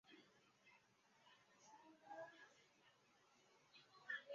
电影主要在捷克斯洛伐克摄制完成。